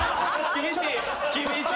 厳しい！